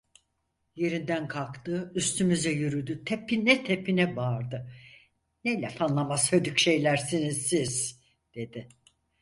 Yerinden kalktı, üstümüze yürüdü, tepine tepine bağırdı: "Ne laf anlamaz hödük şeylersiniz siz!" dedi.